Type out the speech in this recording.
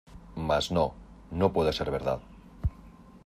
Mas no, no puede ser verdad